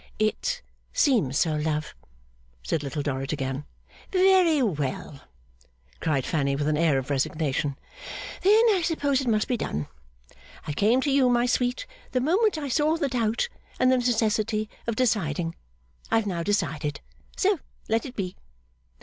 'It seems so, love,' said Little Dorrit again. 'Very well,' cried Fanny with an air of resignation, 'then I suppose it must be done! I came to you, my sweet, the moment I saw the doubt, and the necessity of deciding. I have now decided. So let it be.